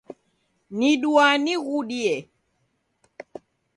Niduaa nighudie.